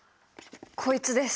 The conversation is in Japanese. こいつです。